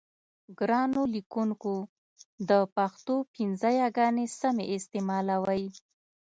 ګرانو لیکوونکو د پښتو پنځه یاګانې سمې استعمالوئ.